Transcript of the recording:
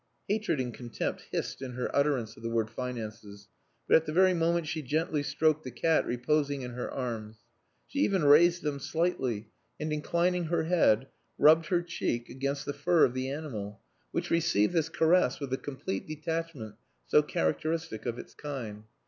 Hatred and contempt hissed in her utterance of the word "finances," but at the very moment she gently stroked the cat reposing in her arms. She even raised them slightly, and inclining her head rubbed her cheek against the fur of the animal, which received this caress with the complete detachment so characteristic of its kind.